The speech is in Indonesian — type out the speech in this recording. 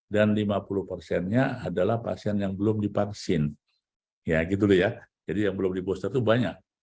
dan lima puluh persennya adalah pasien yang belum dipaksin ya gitu ya jadi yang belum diboster itu banyak